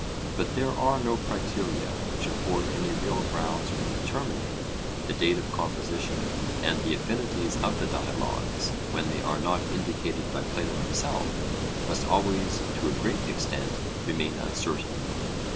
But there are no criteria which afford any real grounds for determining the date of composition; and the affinities of the Dialogues, when they are not indicated by Plato himself, must always to a great extent remain uncertain.